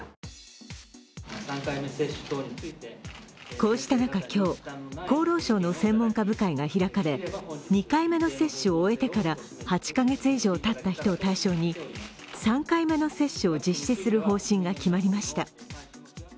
こうした中、今日、厚労省の専門家部会が開かれ２回目の接種を終えてから８カ月以上たった人を対象に３回目の接種を実施する方針が決まりました。